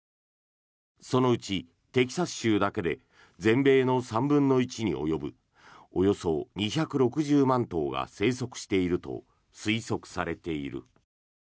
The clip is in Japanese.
そのうち、テキサス州だけで全米の３分の１に及ぶおよそ２６０万頭が生息していると推測されている。